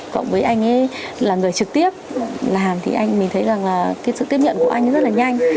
cộng với anh ấy là người trực tiếp làm thì mình thấy sự tiếp nhận của anh ấy rất là nhanh